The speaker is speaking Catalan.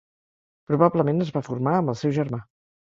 Probablement es va formar amb el seu germà.